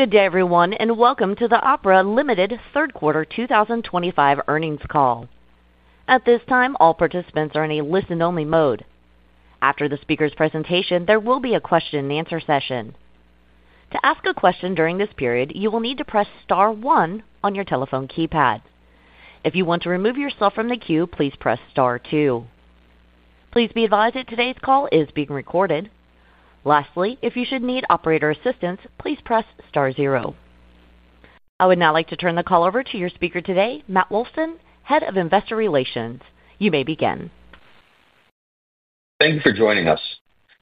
Good day, everyone, and welcome to the Opera Limited Third Quarter 2025 Earnings Call. At this time, all participants are in a listen-only mode. After the speaker's presentation, there will be a question-and-answer session. To ask a question during this period, you will need to press *1 on your telephone keypad. If you want to remove yourself from the queue, please press *2. Please be advised that today's call is being recorded. Lastly, if you should need operator assistance, please press *0. I would now like to turn the call over to your speaker today, Matt Wilson, Head of Investor Relations. You may begin. Thank you for joining us.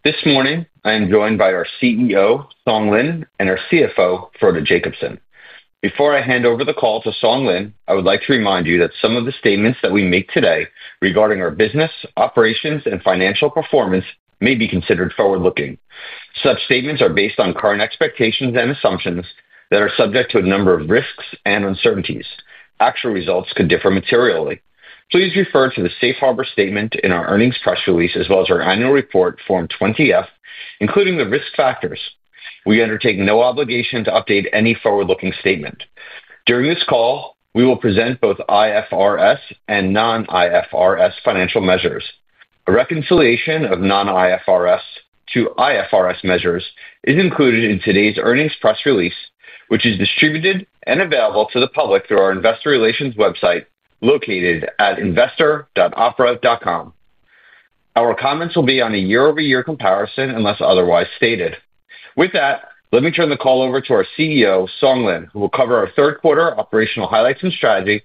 This morning, I am joined by our CEO, Song Lin, and our CFO, Frode Jacobsen. Before I hand over the call to Song Lin, I would like to remind you that some of the statements that we make today regarding our business, operations, and financial performance may be considered forward-looking. Such statements are based on current expectations and assumptions that are subject to a number of risks and uncertainties. Actual results could differ materially. Please refer to the Safe Harbor Statement in our earnings press release, as well as our annual report, Form 20-F, including the risk factors. We undertake no obligation to update any forward-looking statement. During this call, we will present both IFRS and non-IFRS financial measures. A reconciliation of non-IFRS to IFRS measures is included in today's earnings press release, which is distributed and available to the public through our Investor Relations website, located at investor.opera.com. Our comments will be on a year-over-year comparison unless otherwise stated. With that, let me turn the call over to our CEO, Song Lin, who will cover our third quarter operational highlights and strategy,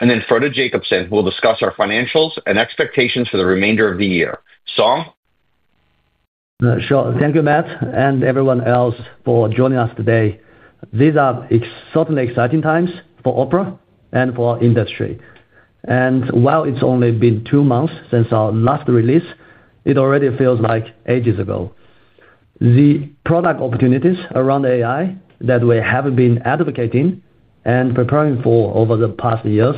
and then Frode Jacobsen, who will discuss our financials and expectations for the remainder of the year. Song? Sure. Thank you, Matt, and everyone else for joining us today. These are certainly exciting times for Opera and for industry. While it's only been two months since our last release, it already feels like ages ago. The product opportunities around AI that we have been advocating and preparing for over the past years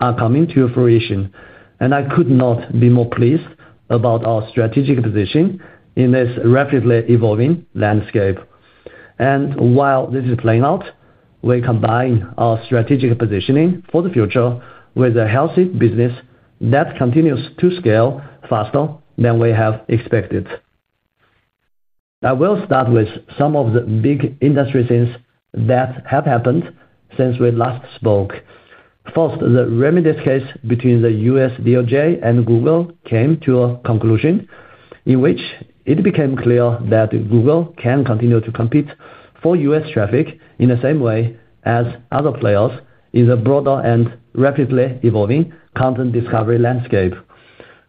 are coming to fruition. I could not be more pleased about our strategic position in this rapidly evolving landscape. While this is playing out, we combine our strategic positioning for the future with a healthy business that continues to scale faster than we have expected. I will start with some of the big industry things that have happened since we last spoke. First, the remedies case between the U.S. DOJ and Google came to a conclusion in which it became clear that Google can continue to compete for U.S. traffic in the same way as other players in the broader and rapidly evolving content discovery landscape.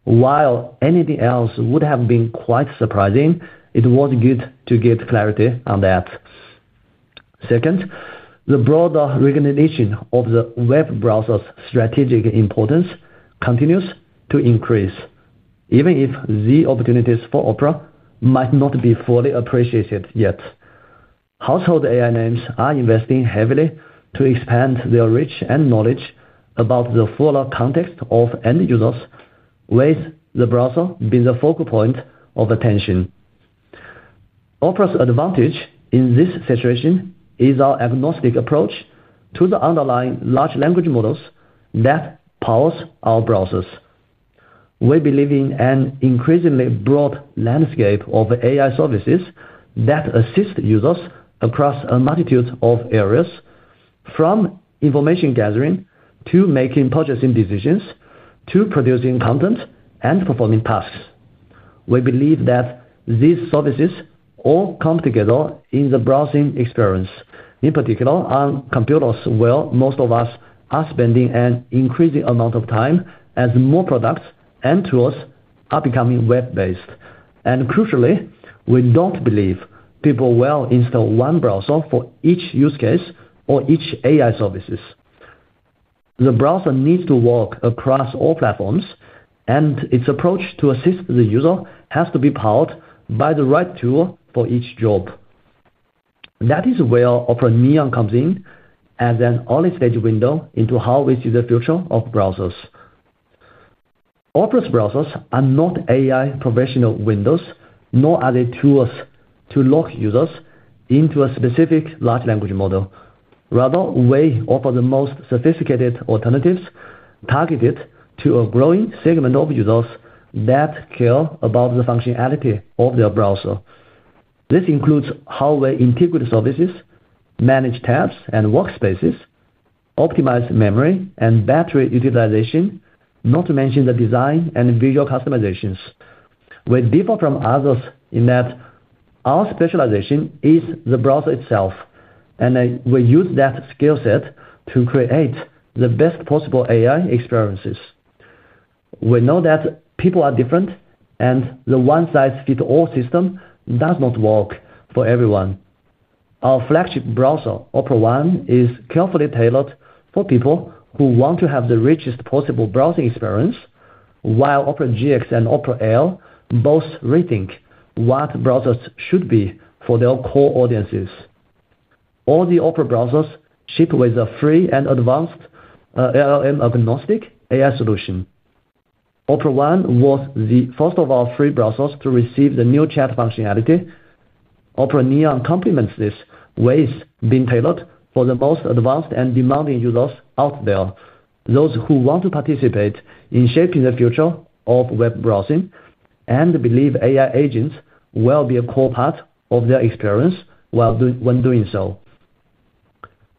While anything else would have been quite surprising, it was good to get clarity on that. Second, the broader recognition of the web browser's strategic importance continues to increase, even if the opportunities for Opera might not be fully appreciated yet. Household AI names are investing heavily to expand their reach and knowledge about the fuller context of end users, with the browser being the focal point of attention. Opera's advantage in this situation is our agnostic approach to the underlying large language models that power our browsers. We believe in an increasingly broad landscape of AI services that assist users across a multitude of areas, from information gathering to making purchasing decisions to producing content and performing tasks. We believe that these services all come together in the browsing experience, in particular on computers where most of us are spending an increasing amount of time as more products and tools are becoming web-based. Crucially, we don't believe people will install one browser for each use case or each AI service. The browser needs to work across all platforms, and its approach to assist the user has to be powered by the right tool for each job. That is where Opera Neon comes in as an early-stage window into how we see the future of browsers. Opera's browsers are not AI professional windows, nor are they tools to lock users into a specific large language model. Rather, we offer the most sophisticated alternatives targeted to a growing segment of users that care about the functionality of their browser. This includes how we integrate services, manage tabs and workspaces, optimize memory and battery utilization, not to mention the design and visual customizations. We differ from others in that our specialization is the browser itself, and we use that skill set to create the best possible AI experiences. We know that people are different, and the one-size-fits-all system does not work for everyone. Our flagship browser, Opera One, is carefully tailored for people who want to have the richest possible browsing experience, while Opera GX and Opera Neon both rethink what browsers should be for their core audiences. All the Opera browsers ship with a free and advanced LLM-agnostic AI solution. Opera One was the first of our free browsers to receive the new chat functionality. Opera Neon complements this, with being tailored for the most advanced and demanding users out there, those who want to participate in shaping the future of web browsing and believe AI agents will be a core part of their experience when doing so.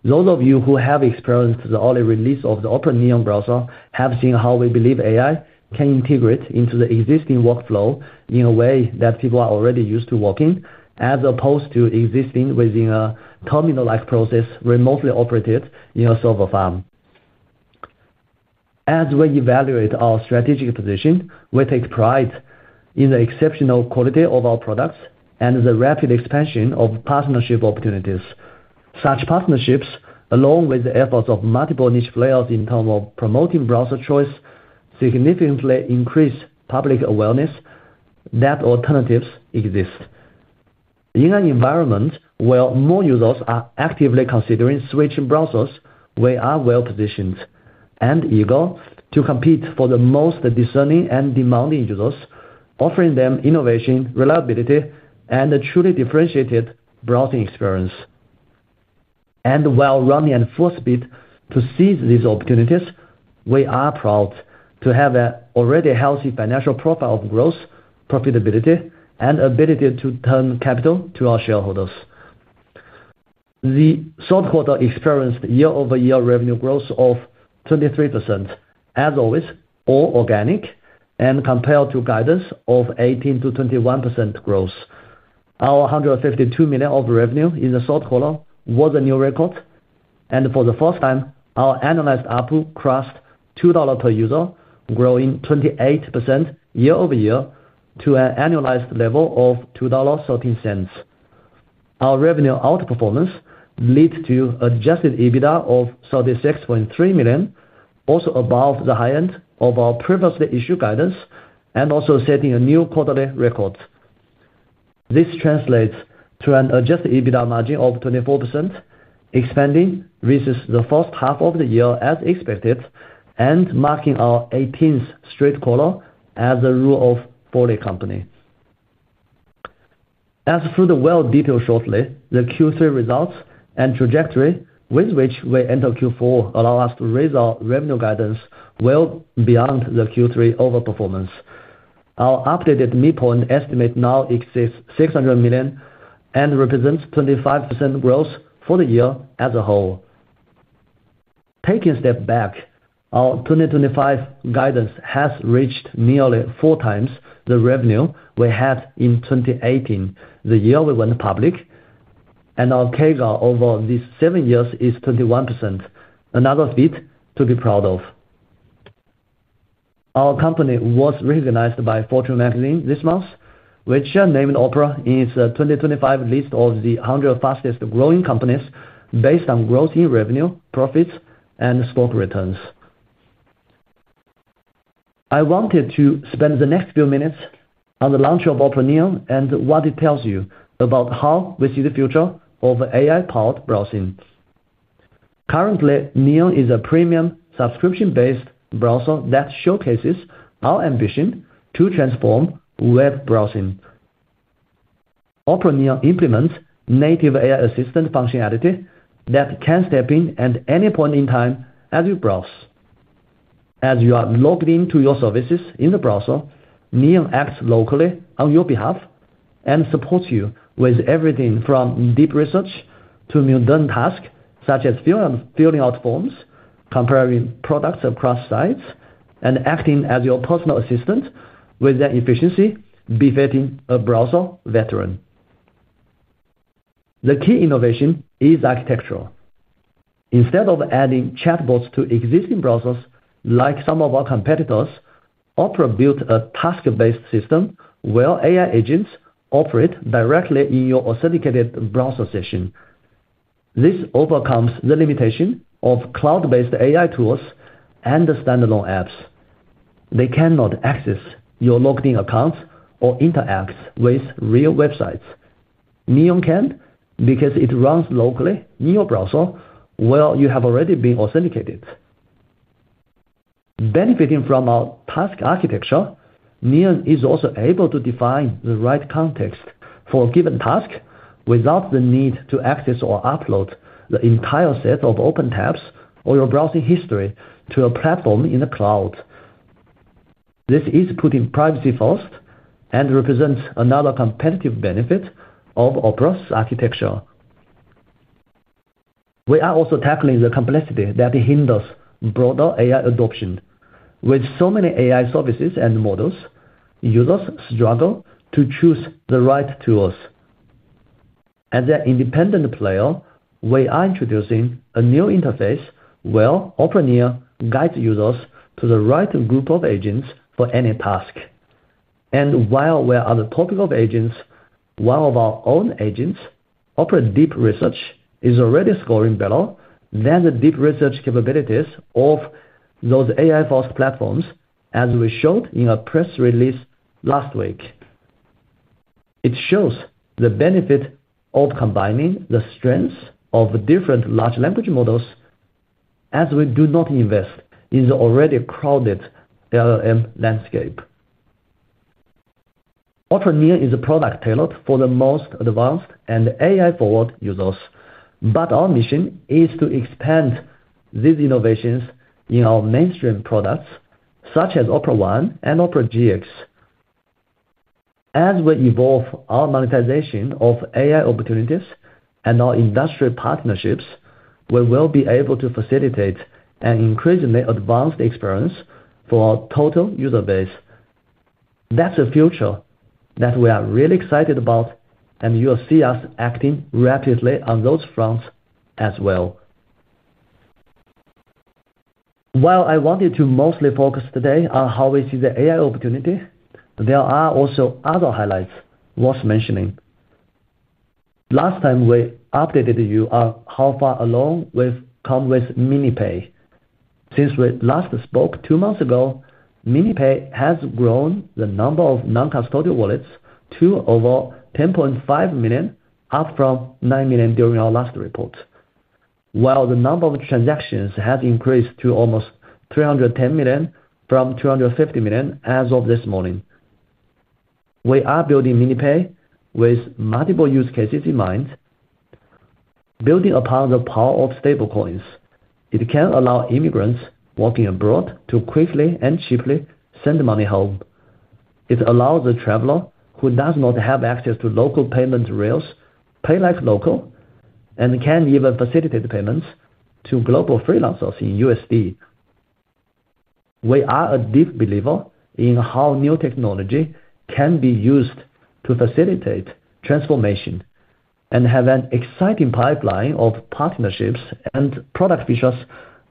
Those of you who have experienced the early release of the Opera Neon browser have seen how we believe AI can integrate into the existing workflow in a way that people are already used to working, as opposed to existing within a terminal-like process remotely operated in a server farm. As we evaluate our strategic position, we take pride in the exceptional quality of our products and the rapid expansion of partnership opportunities. Such partnerships, along with the efforts of multiple niche players in terms of promoting browser choice, significantly increase public awareness that alternatives exist. In an environment where more users are actively considering switching browsers, we are well-positioned and eager to compete for the most discerning and demanding users, offering them innovation, reliability, and a truly differentiated browsing experience. While running at full speed to seize these opportunities, we are proud to have an already healthy financial profile of growth, profitability, and ability to turn capital to our shareholders. The third quarter experienced year-over-year revenue growth of 23%, as always, all organic, and compared to guidance of 18%-21% growth. Our $152 million of revenue in the third quarter was a new record. For the first time, our annualized ARPU crossed $2 per user, growing 28% year over year to an annualized level of $2.13. Our revenue outperformance leads to an adjusted EBITDA of $36.3 million, also above the high end of our previously issued guidance, and also setting a new quarterly record. This translates to an adjusted EBITDA margin of 24%, expanding versus the first half of the year as expected, and marking our 18th straight quarter as a Rule of 40 company. As Frode will detail shortly, the Q3 results and trajectory with which we enter Q4 allow us to raise our revenue guidance well beyond the Q3 overperformance. Our updated midpoint estimate now exceeds $600 million and represents 25% growth for the year as a whole. Taking a step back, our 2025 guidance has reached nearly four times the revenue we had in 2018, the year we went public. Our CAGR over these seven years is 21%, another feat to be proud of. Our company was recognized by Fortune magazine this month, which named Opera in its 2025 list of the 100 fastest-growing companies based on growth in revenue, profits, and stock returns. I wanted to spend the next few minutes on the launch of Opera Neon and what it tells you about how we see the future of AI-powered browsing. Currently, Neon is a premium subscription-based browser that showcases our ambition to transform web browsing. Opera Neon implements native AI assistant functionality that can step in at any point in time as you browse. As you are logged into your services in the browser, Neon acts locally on your behalf and supports you with everything from deep research to mundane tasks such as filling out forms, comparing products across sites, and acting as your personal assistant with the efficiency befitting a browser veteran. The key innovation is architectural. Instead of adding chatbots to existing browsers like some of our competitors, Opera built a task-based system where AI agents operate directly in your authenticated browser session. This overcomes the limitation of cloud-based AI tools and the standalone apps. They cannot access your logged-in accounts or interact with real websites. Neon can because it runs locally in your browser where you have already been authenticated. Benefiting from our task architecture, Neon is also able to define the right context for a given task without the need to access or upload the entire set of open tabs or your browsing history to a platform in the cloud. This is putting privacy first and represents another competitive benefit of Opera's architecture. We are also tackling the complexity that hinders broader AI adoption. With so many AI services and models, users struggle to choose the right tools. As an independent player, we are introducing a new interface where Opera Neon guides users to the right group of agents for any task. While we are on the topic of agents, one of our own agents, Opera Deep Research, is already scoring better than the deep research capabilities of those AI-first platforms as we showed in a press release last week. It shows the benefit of combining the strengths of different large language models as we do not invest in the already crowded LLM landscape. Opera Neon is a product tailored for the most advanced and AI-forward users. Our mission is to expand these innovations in our mainstream products such as Opera One and Opera GX. As we evolve our monetization of AI opportunities and our industry partnerships, we will be able to facilitate an increasingly advanced experience for our total user base. That is a future that we are really excited about, and you will see us acting rapidly on those fronts as well. While I wanted to mostly focus today on how we see the AI opportunity, there are also other highlights worth mentioning. Last time, we updated you on how far along we've come with MiniPay. Since we last spoke two months ago, MiniPay has grown the number of non-custodial wallets to over 10.5 million, up from 9 million during our last report, while the number of transactions has increased to almost 310 million from 250 million as of this morning. We are building MiniPay with multiple use cases in mind. Building upon the power of stablecoins, it can allow immigrants working abroad to quickly and cheaply send money home. It allows a traveler who does not have access to local payment rails to pay like local and can even facilitate payments to global freelancers in USD. We are a deep believer in how new technology can be used to facilitate transformation and have an exciting pipeline of partnerships and product features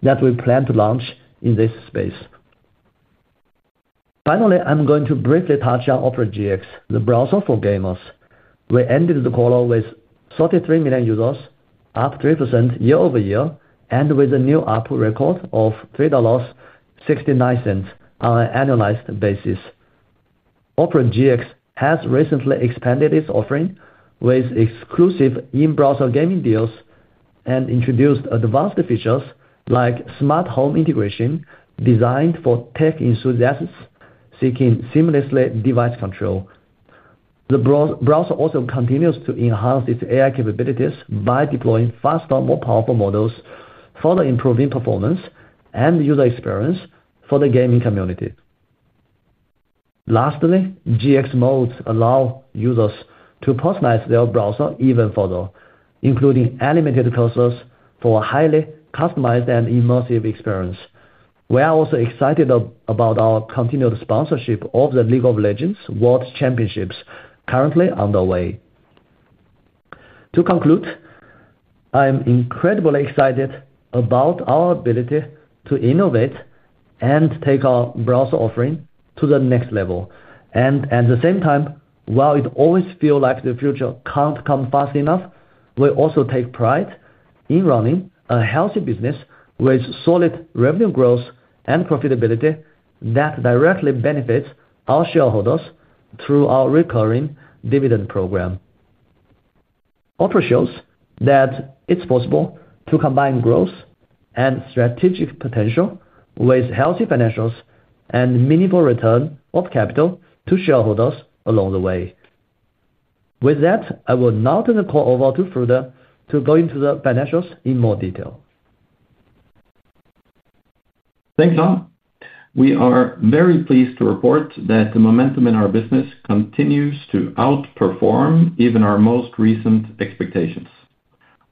that we plan to launch in this space. Finally, I am going to briefly touch on Opera GX, the browser for gamers. We ended the quarter with 33 million users, up 3% year over year, and with a new ARPU record of $3.69 on an annualized basis. Opera GX has recently expanded its offering with exclusive in-browser gaming deals and introduced advanced features like smart home integration designed for tech enthusiasts seeking seamless device control. The browser also continues to enhance its AI capabilities by deploying faster, more powerful models, further improving performance and user experience for the gaming community. Lastly, GX modes allow users to personalize their browser even further, including animated cursors for a highly customized and immersive experience. We are also excited about our continued sponsorship of the League of Legends World Championships currently underway. To conclude, I am incredibly excited about our ability to innovate and take our browser offering to the next level. At the same time, while it always feels like the future can't come fast enough, we also take pride in running a healthy business with solid revenue growth and profitability that directly benefits our shareholders through our recurring dividend program. Opera shows that it's possible to combine growth and strategic potential with healthy financials and meaningful return of capital to shareholders along the way. With that, I will now turn the call over to Frode to go into the financials in more detail. Thanks, John. We are very pleased to report that the momentum in our business continues to outperform even our most recent expectations.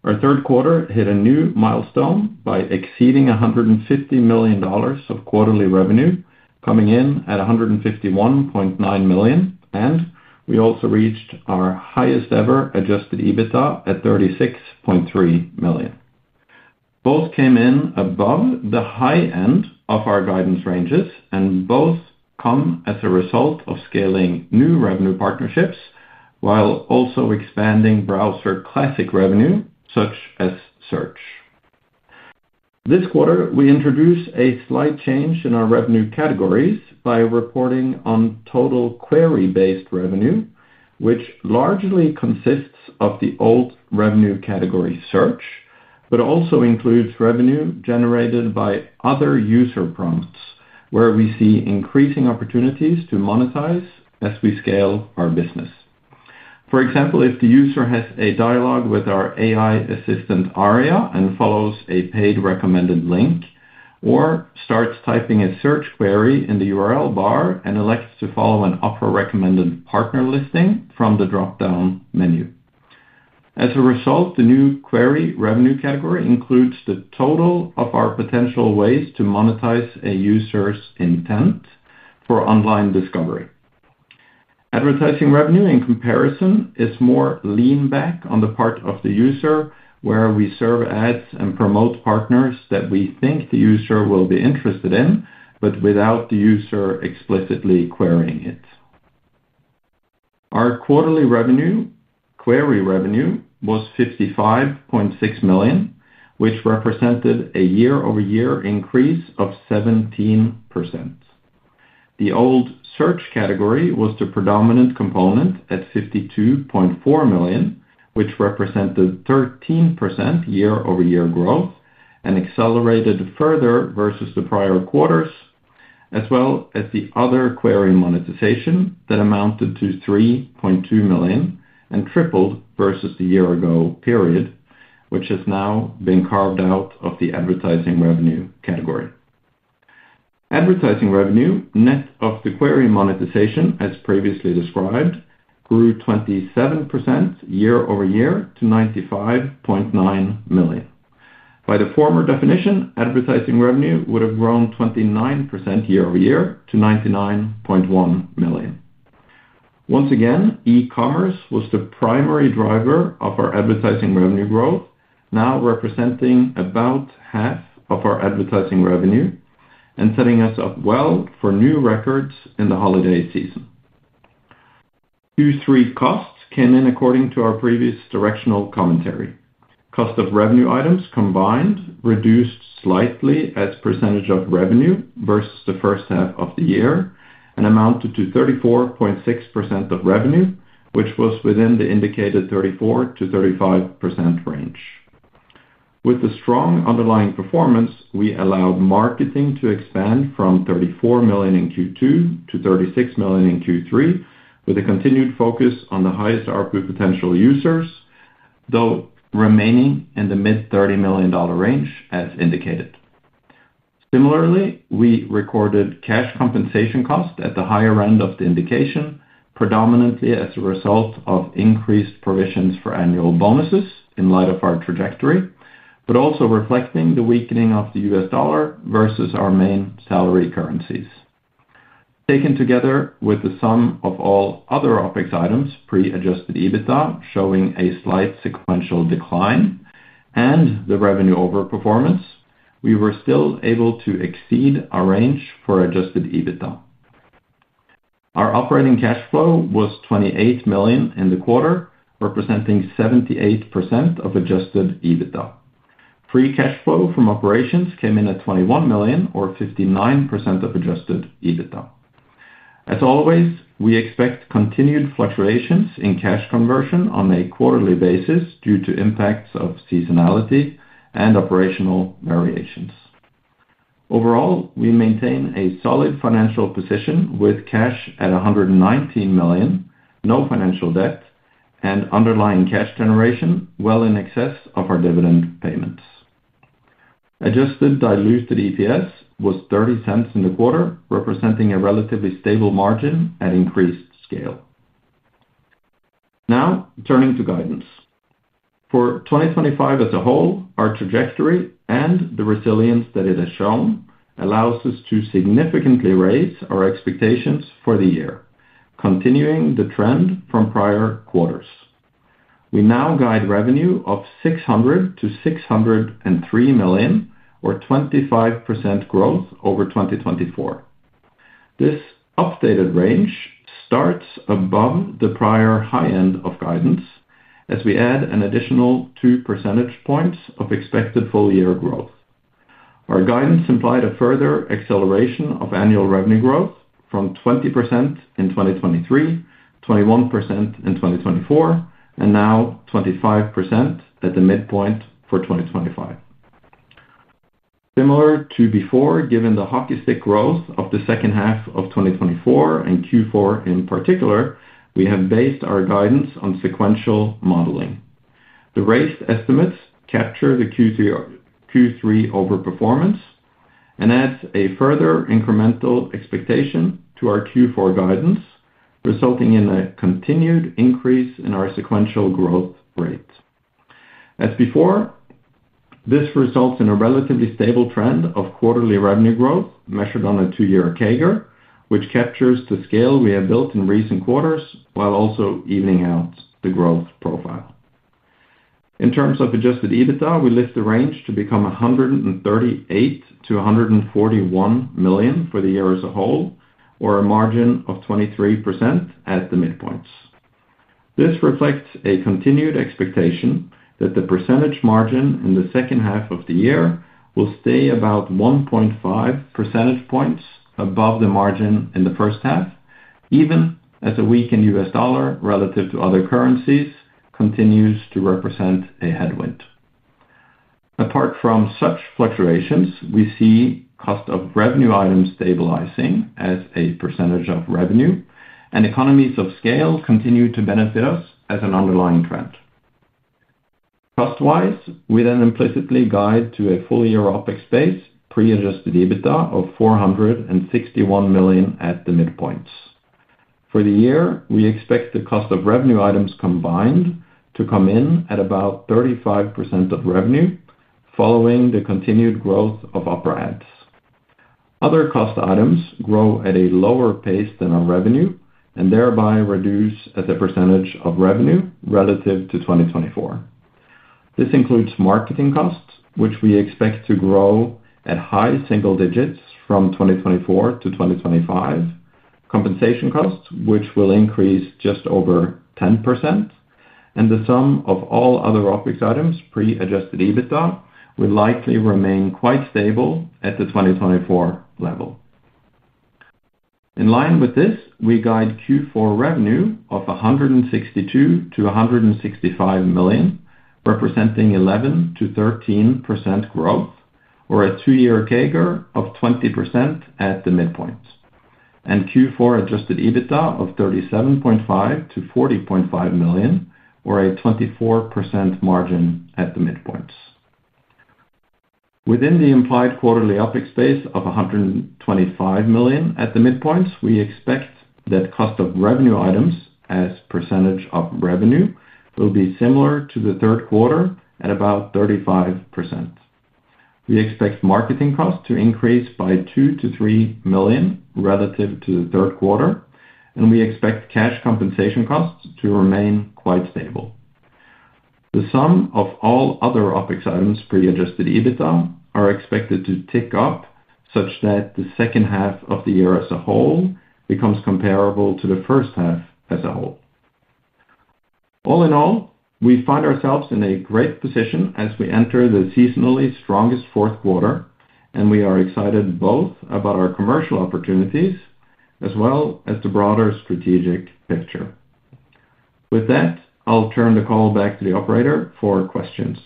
Our third quarter hit a new milestone by exceeding $150 million of quarterly revenue, coming in at $151.9 million. We also reached our highest ever adjusted EBITDA at $36.3 million. Both came in above the high end of our guidance ranges, and both come as a result of scaling new revenue partnerships while also expanding browser classic revenue, such as search. This quarter, we introduced a slight change in our revenue categories by reporting on total query-based revenue, which largely consists of the old revenue category search, but also includes revenue generated by other user prompts, where we see increasing opportunities to monetize as we scale our business. For example, if the user has a dialogue with our AI assistant Aria and follows a paid recommended link, or starts typing a search query in the URL bar and elects to follow an Opera recommended partner listing from the drop-down menu. As a result, the new query revenue category includes the total of our potential ways to monetize a user's intent for online discovery. Advertising revenue in comparison is more lean back on the part of the user, where we serve ads and promote partners that we think the user will be interested in, but without the user explicitly querying it. Our quarterly revenue, query revenue, was $55.6 million, which represented a year-over-year increase of 17%. The old search category was the predominant component at $52.4 million, which represented 13% year-over-year growth and accelerated further versus the prior quarters, as well as the other query monetization that amounted to $3.2 million and tripled versus the year-ago period, which has now been carved out of the advertising revenue category. Advertising revenue net of the query monetization, as previously described, grew 27% year-over-year to $95.9 million. By the former definition, advertising revenue would have grown 29% year-over-year to $99.1 million. Once again, e-commerce was the primary driver of our advertising revenue growth, now representing about half of our advertising revenue and setting us up well for new records in the holiday season. Q3 costs came in according to our previous directional commentary. Cost of revenue items combined reduced slightly as a percentage of revenue versus the first half of the year and amounted to 34.6% of revenue, which was within the indicated 34%-35% range. With a strong underlying performance, we allowed marketing to expand from $34 million in Q2-$36 million in Q3, with a continued focus on the highest ARPU potential users, though remaining in the mid $30 million range as indicated. Similarly, we recorded cash compensation cost at the higher end of the indication, predominantly as a result of increased provisions for annual bonuses in light of our trajectory, but also reflecting the weakening of the U.S. dollar versus our main salary currencies. Taken together with the sum of all other OpEx items pre-adjusted EBITDA, showing a slight sequential decline and the revenue overperformance, we were still able to exceed our range for adjusted EBITDA. Our operating cash flow was $28 million in the quarter, representing 78% of adjusted EBITDA. Free cash flow from operations came in at $21 million, or 59% of adjusted EBITDA. As always, we expect continued fluctuations in cash conversion on a quarterly basis due to impacts of seasonality and operational variations. Overall, we maintain a solid financial position with cash at $119 million, no financial debt, and underlying cash generation well in excess of our dividend payments. Adjusted diluted EPS was $0.30 in the quarter, representing a relatively stable margin at increased scale. Now, turning to guidance. For 2025 as a whole, our trajectory and the resilience that it has shown allow us to significantly raise our expectations for the year, continuing the trend from prior quarters. We now guide revenue of $600 million-$603 million, or 25% growth over 2024. This updated range starts above the prior high end of guidance as we add an additional two percentage points of expected full-year growth. Our guidance implied a further acceleration of annual revenue growth from 20% in 2023, 21% in 2024, and now 25% at the midpoint for 2025. Similar to before, given the hockey stick growth of the second half of 2024 and Q4 in particular, we have based our guidance on sequential modeling. The raised estimates capture the Q3 overperformance and add a further incremental expectation to our Q4 guidance, resulting in a continued increase in our sequential growth rate. As before, this results in a relatively stable trend of quarterly revenue growth measured on a two-year CAGR, which captures the scale we have built in recent quarters while also evening out the growth profile. In terms of adjusted EBITDA, we lift the range to become $138 million-$141 million for the year as a whole, or a margin of 23% at the midpoints. This reflects a continued expectation that the percentage margin in the second half of the year will stay about 1.5 percentage points above the margin in the first half, even as a weakened U.S. dollar relative to other currencies continues to represent a headwind. Apart from such fluctuations, we see the cost of revenue items stabilizing as a percentage of revenue, and economies of scale continue to benefit us as an underlying trend. Cost-wise, we then implicitly guide to a full-year OpEx base pre-adjusted EBITDA of $461 million at the midpoints. For the year, we expect the cost of revenue items combined to come in at about 35% of revenue following the continued growth of Opera Ads. Other cost items grow at a lower pace than our revenue and thereby reduce as a percentage of revenue relative to 2024. This includes marketing costs, which we expect to grow at high single digits from 2024-2025, compensation costs, which will increase just over 10%, and the sum of all other OpEx items pre-adjusted EBITDA will likely remain quite stable at the 2024 level. In line with this, we guide Q4 revenue of $162 million-$165 million, representing 11%-13% growth, or a two-year CAGR of 20% at the midpoints, and Q4 adjusted EBITDA of $37.5 million-$40.5 million, or a 24% margin at the midpoints. Within the implied quarterly OPEX base of $125 million at the midpoints, we expect that the cost of revenue items as a percentage of revenue will be similar to the third quarter at about 35%. We expect marketing costs to increase by $2 million-$3 million relative to the third quarter, and we expect cash compensation costs to remain quite stable. The sum of all other OpEx items pre-adjusted EBITDA is expected to tick up such that the second half of the year as a whole becomes comparable to the first half as a whole. All in all, we find ourselves in a great position as we enter the seasonally strongest fourth quarter, and we are excited both about our commercial opportunities as well as the broader strategic picture. With that, I'll turn the call back to the operator for questions.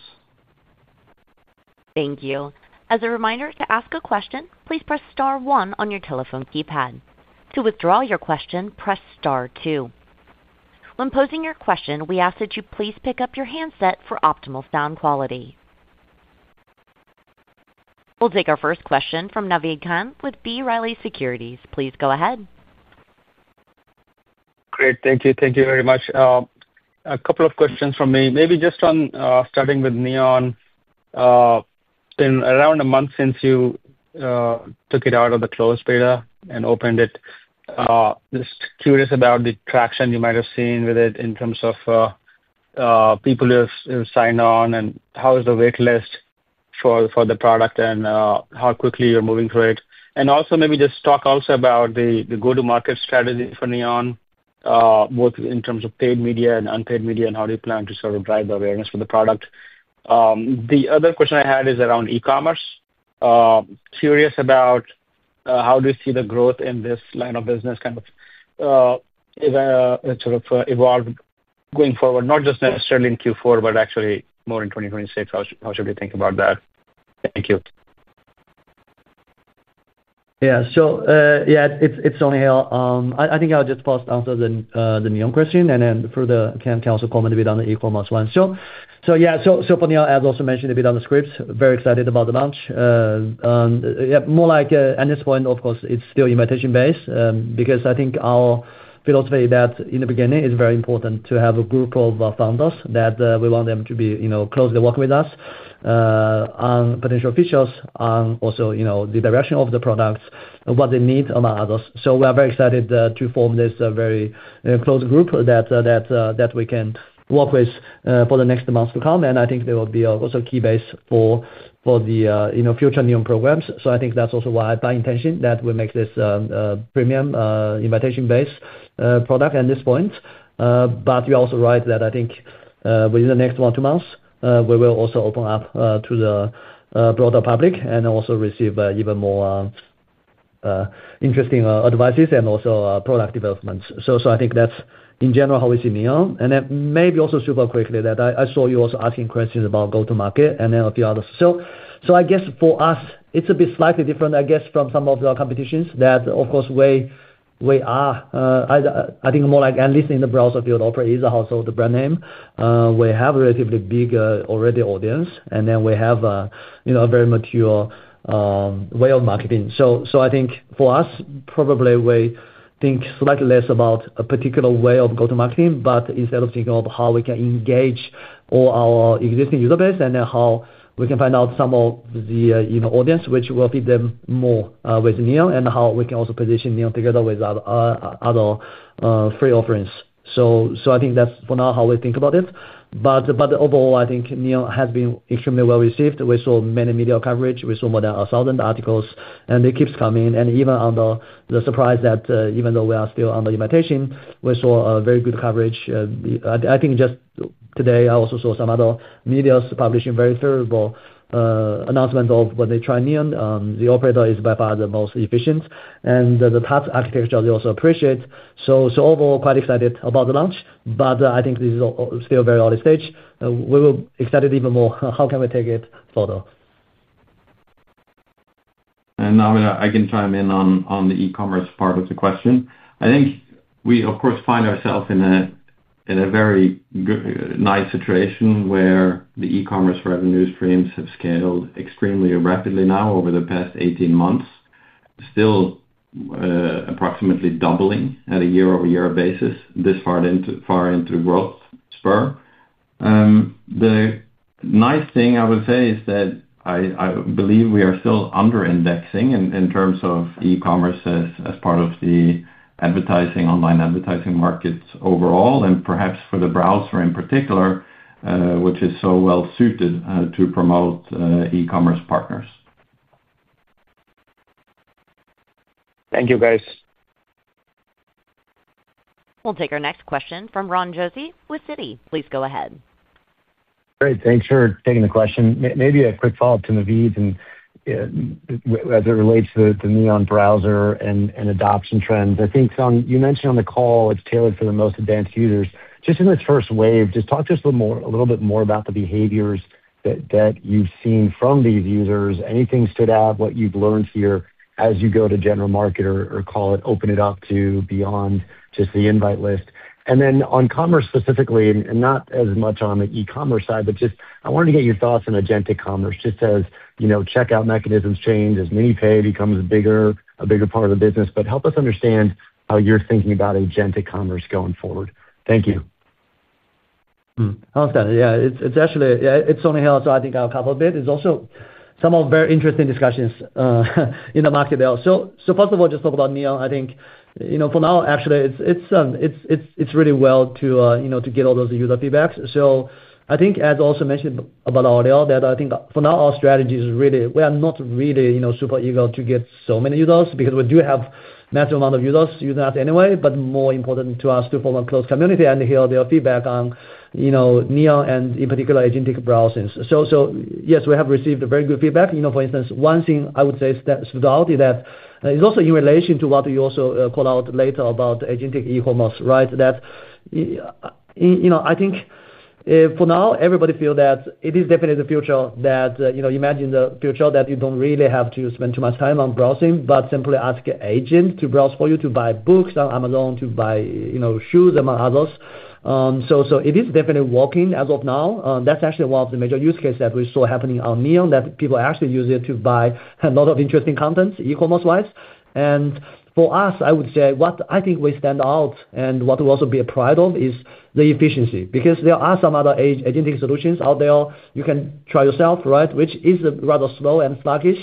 Thank you. As a reminder, to ask a question, please press *1 on your telephone keypad. To withdraw your question, press *2. When posing your question, we ask that you please pick up your handset for optimal sound quality. We'll take our first question from Naved Khan with B. Riley Securities. Please go ahead. Great. Thank you. Thank you very much. A couple of questions from me. Maybe just on starting with Neon, it's been around a month since you took it out of the closed beta and opened it. Just curious about the traction you might have seen with it in terms of people who have signed on, and how is the waitlist for the product and how quickly you're moving through it. Also, maybe just talk about the go-to-market strategy for Neon, both in terms of paid media and unpaid media, and how you plan to sort of drive the awareness for the product. The other question I had is around e-commerce. Curious about how you see the growth in this line of business kind of sort of evolve going forward, not just necessarily in Q4, but actually more in 2026. How should we think about that? Thank you. Yeah, it's only I think I'll just first answer the Neon question, and then can also comment a bit on the e-commerce one. For Neon, as also mentioned a bit on the scripts, very excited about the launch. At this point, of course, it's still invitation-based because I think our philosophy is that in the beginning, it's very important to have a group of founders that we want them to be closely working with us on potential features, on also the direction of the products, and what they need among others. We are very excited to form this very close group that we can work with for the next months to come. I think they will be also a key base for the future Neon programs. That's also why by intention that we make this a premium invitation-based product at this point. You're also right that I think within the next one or two months, we will also open up to the broader public and also receive even more interesting advices and also product developments. That's in general how we see Neon. Maybe also super quickly that I saw you also asking questions about go-to-market and then a few others. For us, it's a bit slightly different, I guess, from some of the competitions that, of course, we are, I think, more like at least in the browser field, Opera is also the brand name. We have a relatively big already audience, and then we have a very mature way of marketing. For us, probably we think slightly less about a particular way of go-to-marketing, but instead of thinking of how we can engage all our existing user base and then how we can find out some of the audience which will fit them more with Neon and how we can also position Neon together with other free offerings. That's for now how we think about it. Overall, I think Neon has been extremely well received. We saw many media coverage. We saw more than 1,000 articles, and it keeps coming. Even under the surprise that even though we are still under invitation, we saw very good coverage. I think just today, I also saw some other medias publishing very favorable announcements of when they try Neon. The operator is by far the most efficient, and the task architecture they also appreciate. Overall, quite excited about the launch, but I think this is still very early stage. We were excited even more. How can we take it further? I can chime in on the e-commerce part of the question. I think we, of course, find ourselves in a very good, nice situation where the e-commerce revenue streams have scaled extremely rapidly now over the past 18 months, still approximately doubling at a year-over-year basis this far into growth spur. The nice thing I would say is that I believe we are still under-indexing in terms of e-commerce as part of the online advertising markets overall and perhaps for the browser in particular, which is so well suited to promote e-commerce partners. Thank you, guys. We'll take our next question from Ron Josey with Citi. Please go ahead. Great. Thanks for taking the question. Maybe a quick follow-up to Navid and as it relates to the Neon browser and adoption trends. I think, Song, you mentioned on the call it's tailored for the most advanced users. Just in this first wave, just talk to us a little bit more about the behaviors that you've seen from these users. Anything stood out, what you've learned here as you go to general market or call it open it up to beyond just the invite list? On commerce specifically, and not as much on the e-commerce side, I wanted to get your thoughts on agentic commerce, just as checkout mechanisms change, as MiniPay becomes a bigger part of the business. Help us understand how you're thinking about agentic commerce going forward. Thank you. I understand. Yeah, it's actually only Neon, so I think I'll cover a bit. There's also some very interesting discussions in the market there. First of all, just talk about Neon. I think for now, actually, it's really well to get all those user feedbacks. As also mentioned earlier, I think for now our strategy is really, we are not really super eager to get so many users because we do have a massive amount of users using us anyway, but more important to us to form a close community and hear their feedback on Neon and in particular agentic browsing. Yes, we have received very good feedback. For instance, one thing I would say stood out is that it's also in relation to what you also called out later about agentic e-commerce, right? I think for now, everybody feels that it is definitely the future, that you imagine the future that you don't really have to spend too much time on browsing, but simply ask an agent to browse for you, to buy books on Amazon, to buy shoes, among others. It is definitely working as of now. That's actually one of the major use cases that we saw happening on Neon, that people actually use it to buy a lot of interesting content e-commerce-wise. For us, I would say what I think we stand out and what we also be a pride of is the efficiency because there are some other agentic solutions out there you can try yourself, right, which is rather slow and sluggish.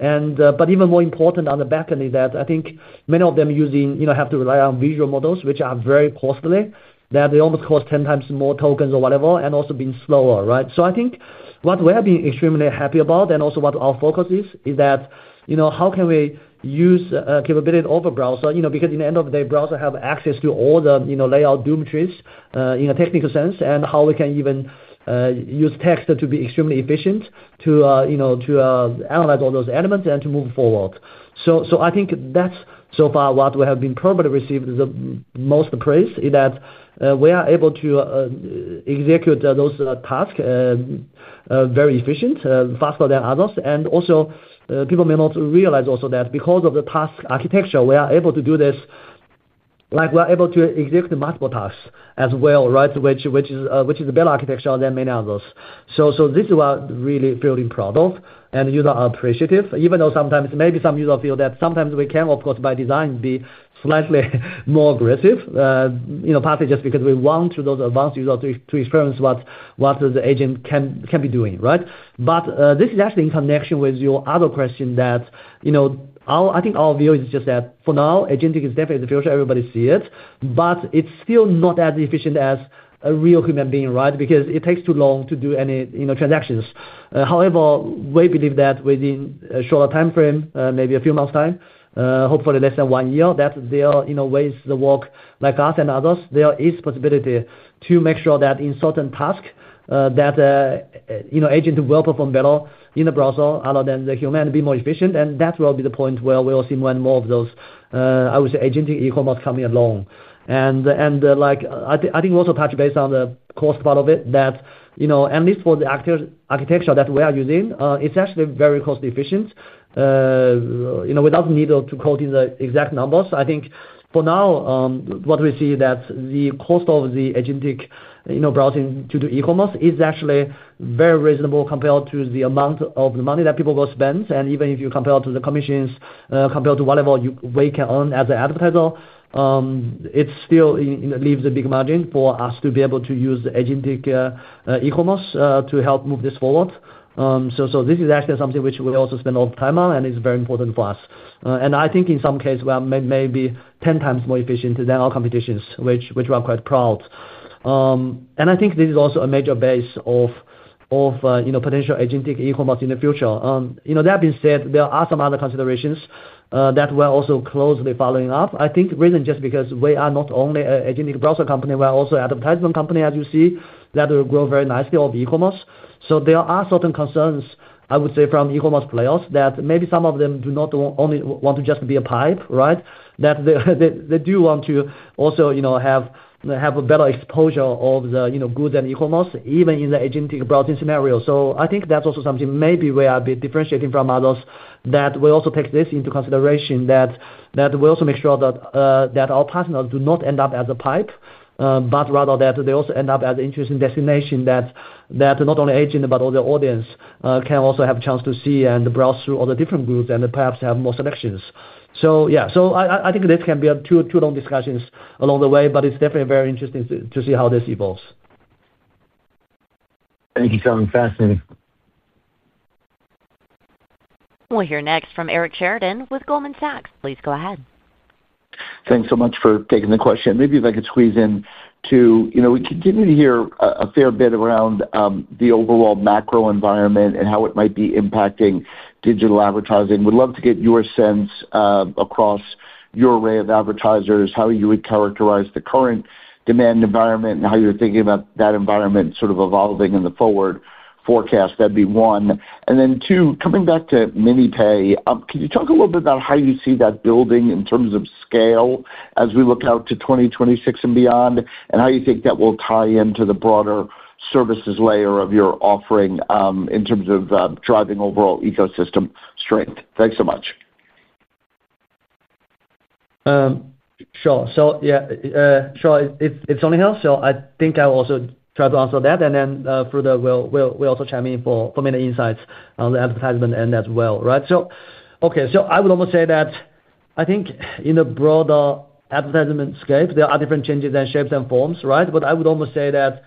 Even more important on the back end is that I think many of them have to rely on visual models, which are very costly, that they almost cost 10 times more tokens or whatever, and also being slower, right? I think what we have been extremely happy about and also what our focus is, is that how can we use a capability of a browser? In the end of the day, browsers have access to all the layout geometries in a technical sense and how we can even use text to be extremely efficient to analyze all those elements and to move forward. I think that's so far what we have been probably received the most praise for, that we are able to execute those tasks very efficiently, faster than others. Also, people may not realize that because of the task-based architecture, we are able to do this. We are able to execute multiple tasks as well, which is a better architecture than many others. This is what we're really feeling proud of and users are appreciative, even though sometimes maybe some users feel that sometimes we can, of course, by design, be slightly more aggressive, partly just because we want those advanced users to experience what the agent can be doing, right? This is actually in connection with your other question that I think our view is just that for now, agentic is definitely the future. Everybody sees it, but it's still not as efficient as a real human being, right, because it takes too long to do any transactions. However, we believe that within a shorter time frame, maybe a few months' time, hopefully less than one year, there is a way to work like us and others. There is a possibility to make sure that in certain tasks that agents will perform better in the browser other than the human, be more efficient. That will be the point where we will see more and more of those, I would say, agentic e-commerce coming along. I think we also touched base on the cost part of it, that at least for the architecture that we are using, it's actually very cost-efficient. Without the need to quote in the exact numbers, I think for now, what we see is that the cost of the agentic browsing to do e-commerce is actually very reasonable compared to the amount of the money that people will spend. Even if you compare to the commissions, compared to whatever we can earn as an advertiser, it still leaves a big margin for us to be able to use agentic e-commerce to help move this forward. This is actually something which we also spend a lot of time on and is very important for us. I think in some cases, we are maybe 10 times more efficient than our competitions, which we are quite proud. I think this is also a major base of potential agentic e-commerce in the future. That being said, there are some other considerations that we're also closely following up. I think reason just because we are not only an agentic browser company, we are also an advertisement company, as you see, that will grow very nicely off e-commerce. There are certain concerns, I would say, from e-commerce players that maybe some of them do not only want to just be a pipe, right? They do want to also have a better exposure of the goods and e-commerce, even in the agentic browsing scenario. I think that's also something maybe we are a bit differentiating from others, that we also take this into consideration, that we also make sure that our partners do not end up as a pipe, but rather that they also end up as an interesting destination that not only agents, but all the audience can also have a chance to see and browse through all the different groups and perhaps have more selections. I think this can be a too long discussion along the way, but it's definitely very interesting to see how this evolves. Thank you, Song. Fascinating. We'll hear next from Eric Sheridan with Goldman Sachs. Please go ahead. Thanks so much for taking the question. Maybe if I could squeeze in two, we continue to hear a fair bit around the overall macro environment and how it might be impacting digital advertising. We'd love to get your sense across your array of advertisers, how you would characterize the current demand environment, and how you're thinking about that environment sort of evolving in the forward forecast. That'd be one. Then two, coming back to MiniPay, could you talk a little bit about how you see that building in terms of scale as we look out to 2026 and beyond, and how you think that will tie into the broader services layer of your offering in terms of driving overall ecosystem strength? Thanks so much. Sure. I think I will also try to answer that, and then further, we'll also chime in for many insights on the advertisement end as well, right? I would almost say that I think in the broader advertisement scape, there are different changes and shapes and forms, right? I would almost say that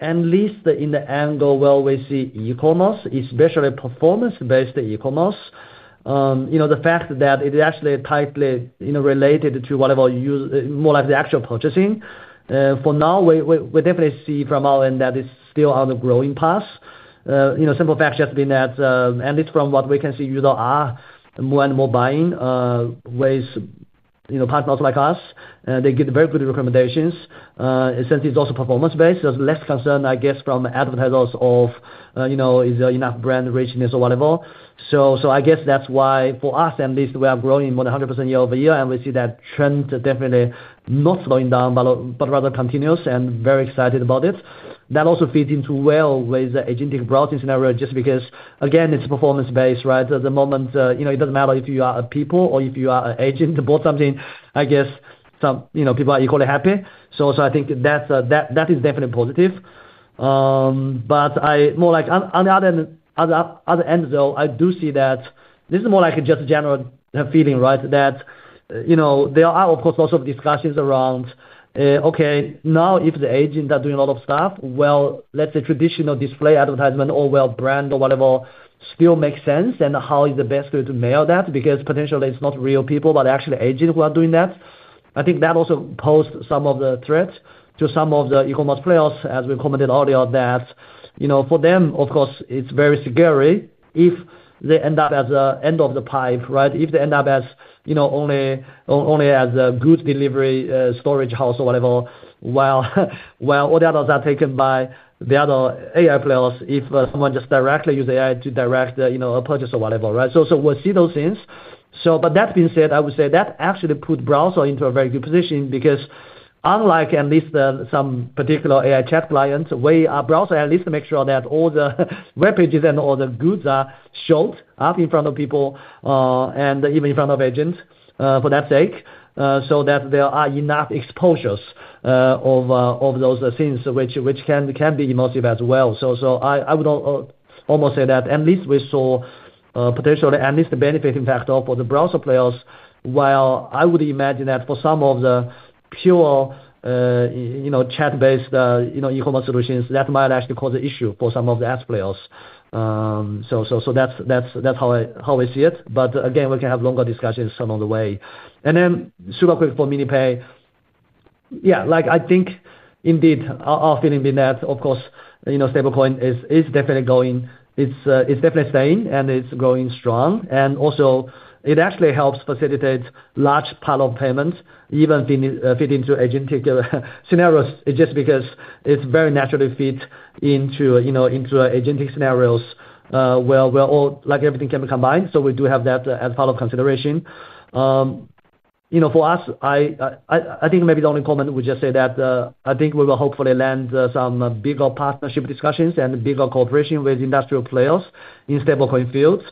at least in the angle where we see e-commerce, especially performance-based e-commerce, the fact that it is actually tightly related to whatever use, more like the actual purchasing. For now, we definitely see from our end that it's still on the growing path. The simple fact has just been that at least from what we can see, users are more and more buying with partners like us. They get very good recommendations. Since it's also performance-based, there's less concern, I guess, from advertisers of, you know, is there enough brand richness or whatever. I guess that's why for us, at least we are growing more than 100% year over year, and we see that trend definitely not slowing down, but rather continuous and very excited about it. That also fits in well with the agentic browsing scenario just because, again, it's performance-based, right? At the moment, it doesn't matter if you are a people or if you are an agent that bought something, I guess some people are equally happy. I think that is definitely positive. On the other end, though, I do see that this is more like just a general feeling, right, that there are, of course, lots of discussions around, OK, now if the agents are doing a lot of stuff, traditional display advertisement or well-branded or whatever still makes sense. How is the best way to mail that? Because potentially it's not real people, but actually agents who are doing that. I think that also poses some of the threats to some of the e-commerce players, as we commented earlier, that for them, of course, it's very scary if they end up as the end of the pipe, right? If they end up only as a goods delivery storage house or whatever, while all the others are taken by the other AI players if someone just directly uses AI to direct a purchase or whatever, right? We’ll see those things. That being said, I would say that actually puts browsers into a very good position because unlike at least some particular AI chat clients, we are browsers at least to make sure that all the web pages and all the goods are showed up in front of people and even in front of agents for that sake, so that there are enough exposures of those things, which can be emotive as well. I would almost say that at least we saw potentially at least the benefiting factor for the browser players, while I would imagine that for some of the pure chat-based e-commerce solutions, that might actually cause an issue for some of the ads players. That is how we see it. We can have longer discussions along the way. Super quick for MiniPay. Yeah, I think indeed our feeling being that, of course, stablecoin is definitely going. It's definitely staying and it's growing strong. Also, it actually helps facilitate large pile-up payments, even fitting into agentic scenarios, just because it's very naturally fit into agentic scenarios where everything can be combined. We do have that as part of consideration. For us, I think maybe the only comment would just say that I think we will hopefully land some bigger partnership discussions and bigger cooperation with industrial players in stablecoin fields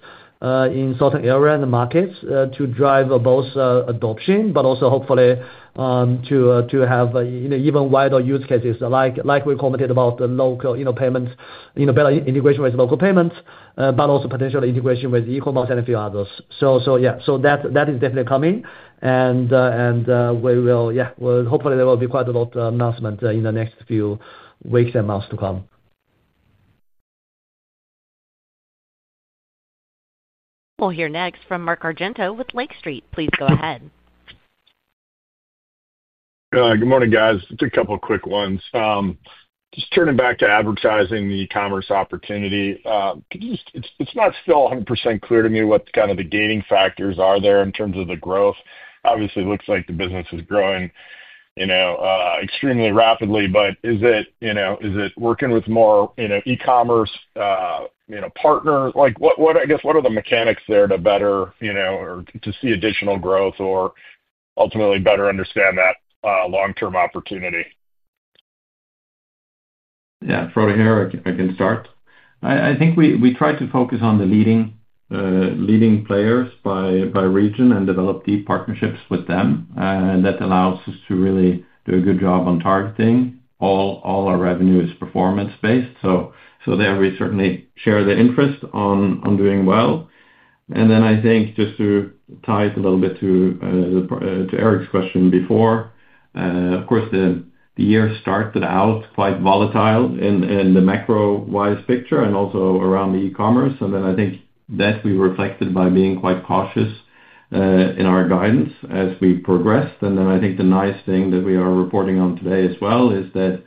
in certain areas and markets to drive both adoption, but also hopefully to have even wider use cases, like we commented about the local payments, better integration with local payments, but also potential integration with e-commerce and a few others. That is definitely coming. We will, yeah, hopefully there will be quite a lot of announcements in the next few weeks and months to come. will hear next from Mark Argento with Lake Street. Please go ahead. Good morning, guys. Just a couple of quick ones. Turning back to advertising, the e-commerce opportunity, could you just, it's not still 100% clear to me what kind of the gating factors are there in terms of the growth. Obviously, it looks like the business is growing extremely rapidly. Is it working with more e-commerce partners? What, I guess, what are the mechanics there to better, you know, or to see additional growth or ultimately better understand that long-term opportunity? Yeah, Frode here. I can start. I think we tried to focus on the leading players by region and develop deep partnerships with them. That allows us to really do a good job on targeting. All our revenue is performance-based. We certainly share the interest on doing well. I think just to tie it a little bit to Eric's question before, of course, the year started out quite volatile in the macro-wise picture and also around the e-commerce. I think that we reflected by being quite cautious in our guidance as we progressed. The nice thing that we are reporting on today as well is that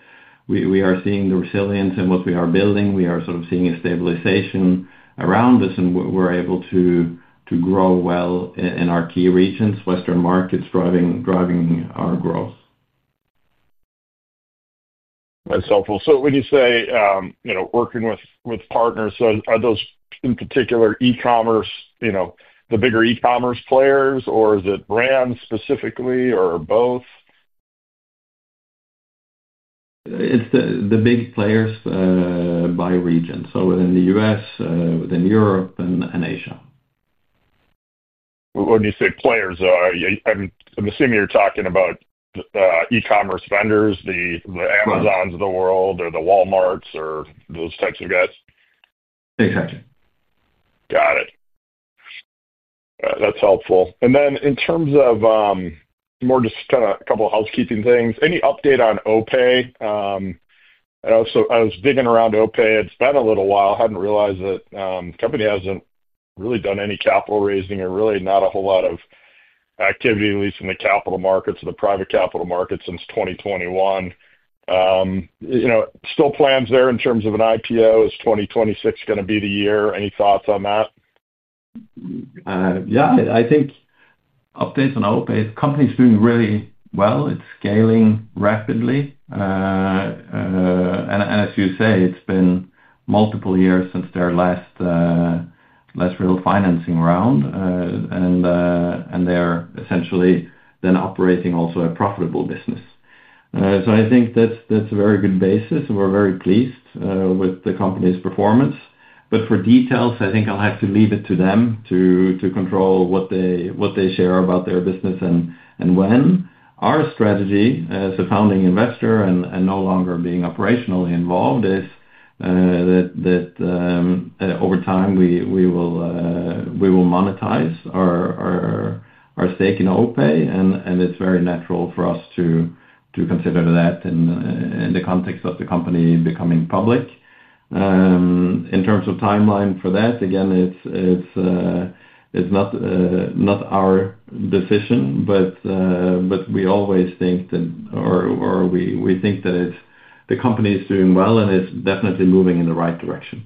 we are seeing the resilience in what we are building. We are sort of seeing a stabilization around this, and we're able to grow well in our key regions, Western markets driving our growth. That's helpful. When you say, you know, working with partners, are those in particular e-commerce, you know, the bigger e-commerce players, or is it brands specifically or both? It's the big players by region, within the U.S., within Europe, and Asia. When you say players, I'm assuming you're talking about e-commerce vendors, the Amazons of the world, or the Walmarts, or those types of guys? Exactly. Got it. That's helpful. In terms of more just kind of a couple of housekeeping things, any update on OPay? I was digging around OPay. It's been a little while. I hadn't realized that the company hasn't really done any capital raising and really not a whole lot of activity, at least in the capital markets or the private capital markets since 2021. You know, still plans there in terms of an IPO. Is 2026 going to be the year? Any thoughts on that? Yeah, I think updates on OPay, the company is doing really well. It's scaling rapidly. As you say, it's been multiple years since their last real financing round. They're essentially then operating also a profitable business. I think that's a very good basis. We're very pleased with the company's performance. For details, I think I'll have to leave it to them to control what they share about their business and when. Our strategy, as a founding investor and no longer being operationally involved, is that over time, we will monetize our stake in OPay. It's very natural for us to consider that in the context of the company becoming public. In terms of timeline for that, again, it's not our decision, but we always think that, or we think that the company is doing well and is definitely moving in the right direction.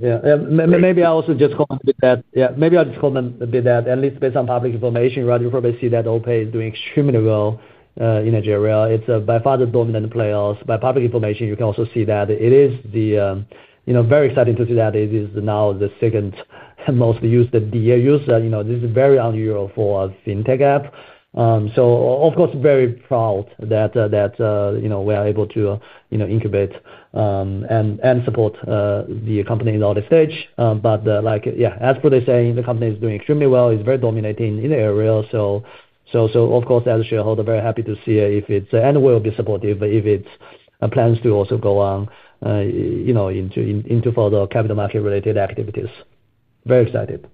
Maybe I'll just call them a bit that, at least based on public information, you probably see that OPay is doing extremely well in Nigeria. It's by far the dominant player. By public information, you can also see that it is very exciting to see that it is now the second most used user. This is very unusual for a fintech app. Of course, very proud that we are able to incubate and support the company in the early stage. As Frode is saying, the company is doing extremely well. It's very dominating in the area. Of course, as a shareholder, very happy to see if it plans to also go on into further capital market-related activities. Very excited.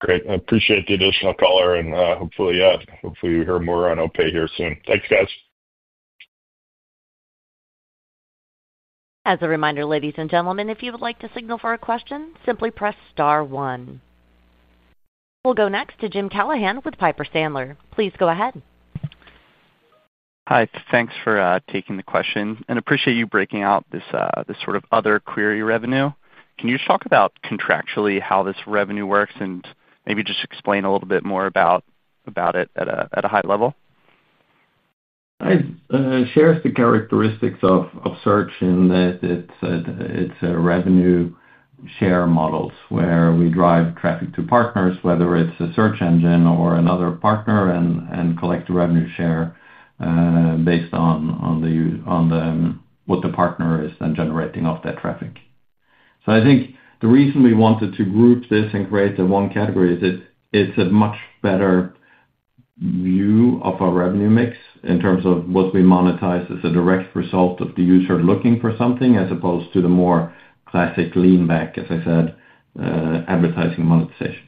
Great. I appreciate the additional caller. Hopefully we hear more on Opera here soon. Thanks, guys. As a reminder, ladies and gentlemen, if you would like to signal for a question, simply press *1. We'll go next to Jim Callahan with Piper Sandler. Please go ahead. Hi. Thanks for taking the question and appreciate you breaking out this sort of other query revenue. Can you just talk about contractually how this revenue works and maybe just explain a little bit more about it at a high level? It shares the characteristics of search in that it's a revenue share model where we drive traffic to partners, whether it's a search engine or another partner, and collect a revenue share based on what the partner is then generating off that traffic. I think the reason we wanted to group this and create the one category is it's a much better view of our revenue mix in terms of what we monetize as a direct result of the user looking for something, as opposed to the more classic lean back, as I said, advertising monetization.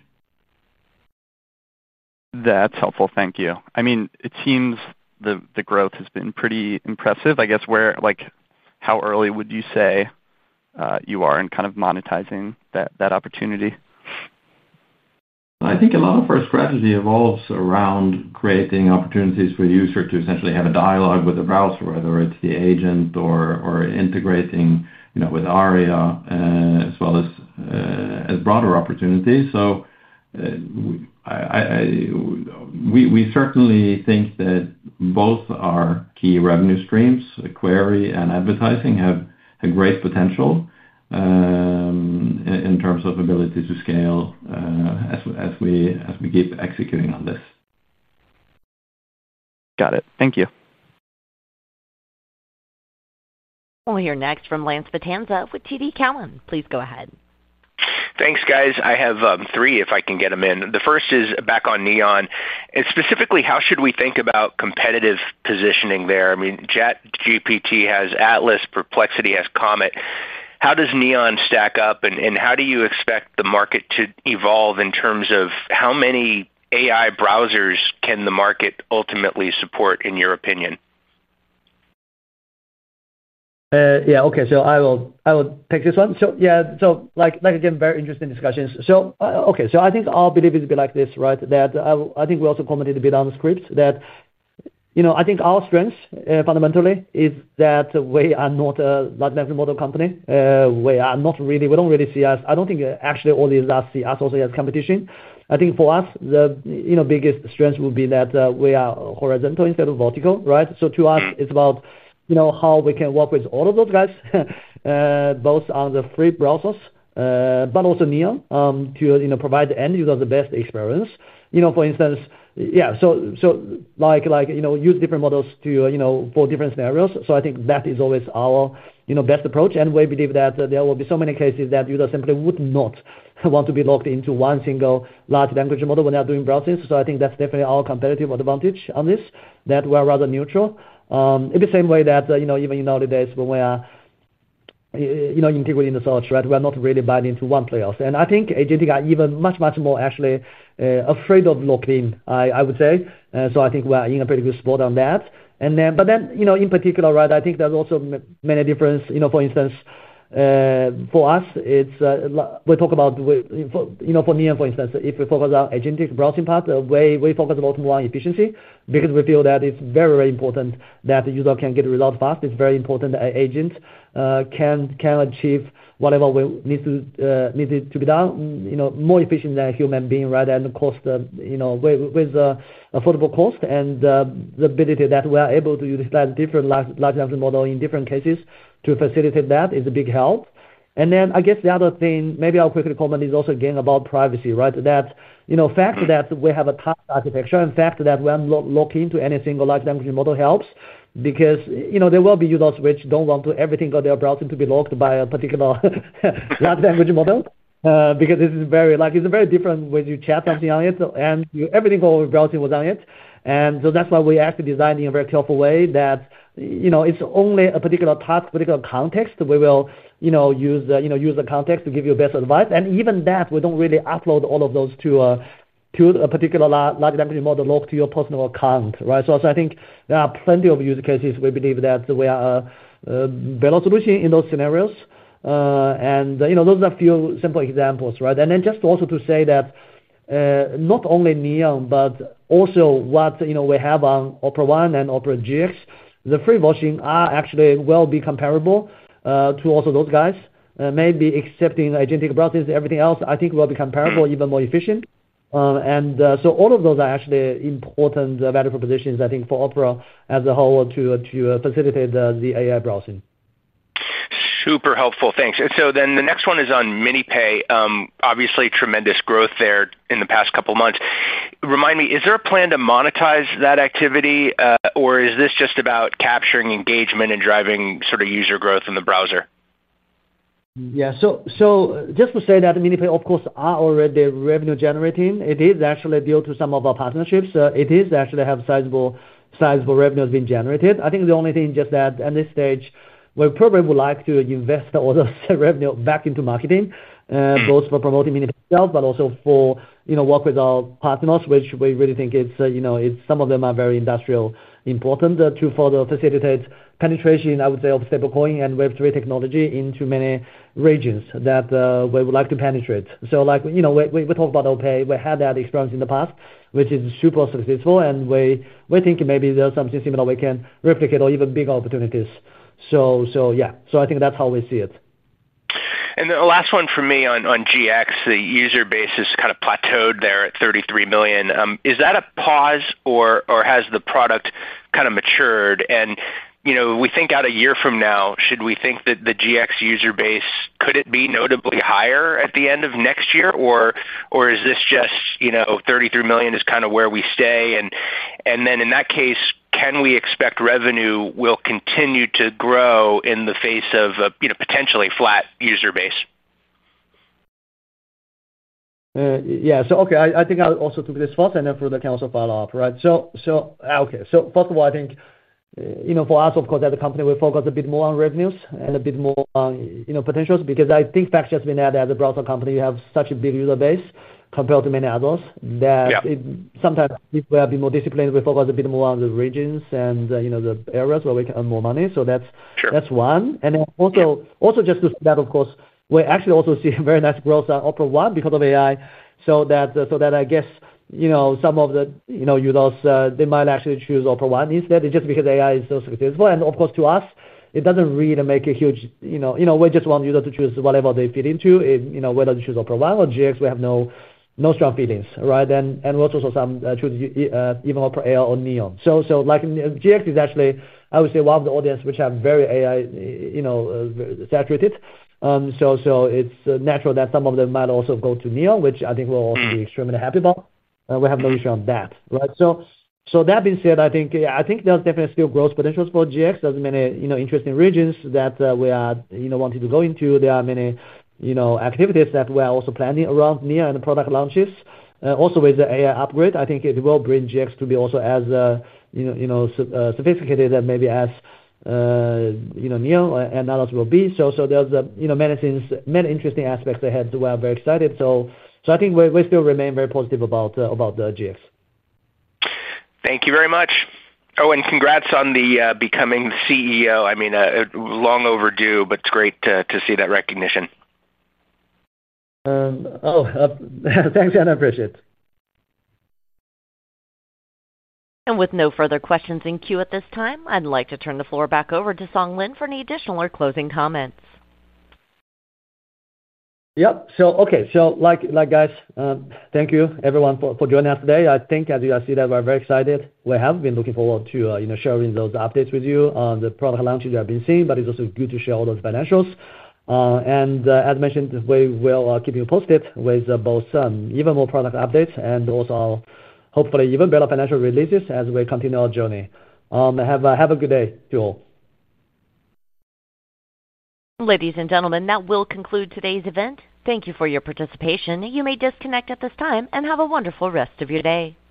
That's helpful. Thank you. It seems the growth has been pretty impressive. I guess, where, like, how early would you say you are in kind of monetizing that opportunity? I think a lot of our strategy evolves around creating opportunities for the user to essentially have a dialogue with the browser, whether it's the agent or integrating with ARIA, as well as broader opportunities. We certainly think that both our key revenue streams, query and advertising, have great potential in terms of ability to scale as we keep executing on this. Got it. Thank you. We'll hear next from Lance Vitanza with TD Cowen. Please go ahead. Thanks, guys. I have three if I can get them in. The first is back on Neon. Specifically, how should we think about competitive positioning there? I mean, ChatGPT has Atlas, Perplexity has Comet. How does Neon stack up, and how do you expect the market to evolve in terms of how many AI browsers can the market ultimately support, in your opinion? OK, I will take this one. Very interesting discussions. I think our belief is a bit like this, right, that I think we also commented a bit on the scripts that our strengths fundamentally are that we are not a large network model company. We are not really, we don't really see us. I don't think actually all these us see us also as competition. For us, the biggest strength will be that we are horizontal instead of vertical, right? To us, it's about how we can work with all of those guys, both on the free browsers, but also Neon, to provide the end user the best experience. For instance, use different models for different scenarios. I think that is always our best approach. We believe that there will be so many cases that users simply would not want to be locked into one single large language model when they're doing browsing. I think that's definitely our competitive advantage on this, that we are rather neutral. In the same way that even nowadays, when we are integrating the search, we're not really buying into one player. I think agents are even much, much more actually afraid of locked in, I would say. I think we're in a pretty good spot on that. In particular, I think there's also many differences. For instance, for us, we talk about for Neon, if we focus on the agentic browsing part, we focus a lot more on efficiency because we feel that it's very, very important that the user can get results fast. It's very important that an agent can achieve whatever needs to be done more efficiently than a human being, and with affordable cost. The ability that we are able to utilize different large language models in different cases to facilitate that is a big help. The other thing, maybe I'll quickly comment, is also again about privacy, that the fact that we have a task architecture and the fact that we're not locked into any single large language model helps because there will be users which don't want everything on their browsing to be locked by a particular large language model. It's very different when you chat something on it and everything on your browsing was on it. That's why we actually designed in a very careful way that it's only a particular task, a particular context we will use the context to give you best advice. We don't really upload all of those to a particular large language model locked to your personal account, right? I think there are plenty of use cases. We believe that we are a better solution in those scenarios. Those are a few simple examples, right? Also, not only Neon, but also what we have on Opera One and Opera GX, the free version will be comparable to also those guys. Maybe excepting agentic browsing and everything else, I think it will be comparable, even more efficient. All of those are actually important value propositions, I think, for Opera as a whole to facilitate the AI browsing. Super helpful. Thanks. The next one is on MiniPay. Obviously, tremendous growth there in the past couple of months. Remind me, is there a plan to monetize that activity, or is this just about capturing engagement and driving sort of user growth in the browser? Yeah. Just to say that MiniPay, of course, is already revenue generating. It is actually due to some of our partnerships. It is actually having sizable revenue being generated. I think the only thing just that at this stage, we probably would like to invest all those revenue back into marketing, both for promoting MiniPay itself, but also for work with our partners, which we really think some of them are very industrial important to further facilitate penetration, I would say, of stablecoin and Web3 technology into many regions that we would like to penetrate. Like we talked about OPay, we had that experience in the past, which is super successful. We think maybe there's something similar we can replicate or even bigger opportunities. I think that's how we see it. The last one for me on GX, the user base has kind of plateaued there at 33 million. Is that a pause, or has the product kind of matured? If we think out a year from now, should we think that the GX user base, could it be notably higher at the end of next year, or is this just 33 million is kind of where we stay? In that case, can we expect revenue will continue to grow in the face of a potentially flat user base? Yeah. OK, I think I'll also take this first. Frode can also follow up, right? OK, first of all, I think you know for us, of course, as a company, we focus a bit more on revenues and a bit more on potentials because I think the fact has been that as a browser company, we have such a big user base compared to many others that sometimes we are a bit more disciplined. We focus a bit more on the regions and the areas where we can earn more money. That's one. Also, just to say that, of course, we actually also see a very nice growth on Opera One because of AI. I guess you know some of the users, they might actually choose Opera One instead just because AI is so successful. Of course, to us, it doesn't really make a huge, you know, we just want users to choose whatever they fit into. Whether they choose Opera One or Opera GX, we have no strong feelings, right? Some choose even Opera AI or Opera Neon. Opera GX is actually, I would say, one of the audiences which are very AI saturated. It's natural that some of them might also go to Opera Neon, which I think we'll also be extremely happy about. We have no issue on that, right? That being said, I think there's definitely still growth potentials for Opera GX. There are many interesting regions that we are wanting to go into. There are many activities that we are also planning around Opera Neon and product launches. Also, with the AI upgrade, I think it will bring Opera GX to be also as sophisticated and maybe as Opera Neon and others will be. There are many things, many interesting aspects ahead that we are very excited about. I think we still remain very positive about Opera GX. Thank you very much. Oh, and congrats on becoming the CEO. I mean, long overdue, but it's great to see that recognition. Oh, thanks. I appreciate it. With no further questions in queue at this time, I'd like to turn the floor back over to Song Lin for any additional or closing comments. OK, thank you, everyone, for joining us today. I think as you see, we're very excited. We have been looking forward to sharing those updates with you on the product launches we have been seeing. It's also good to share all those financials. As mentioned, we will keep you posted with both even more product updates and also hopefully even better financial releases as we continue our journey. Have a good day to all. Ladies and gentlemen, that will conclude today's event. Thank you for your participation. You may disconnect at this time and have a wonderful rest of your day.